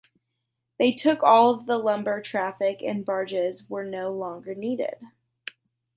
They took all of the lumber traffic and barges were no longer needed.